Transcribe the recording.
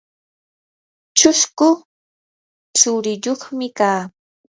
chusku tsuriyuqmi kaa.